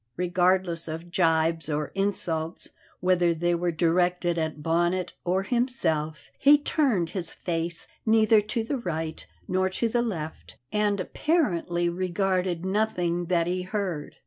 Regardless of gibes or insults, whether they were directed at Bonnet or himself, he turned his face neither to the right nor to the left, and apparently regarded nothing that he heard.